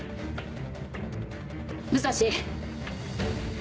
武蔵！